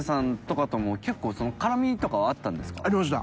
脇）ありました。